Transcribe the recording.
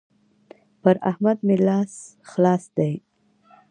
پر احمد مې لاس خلاص دی.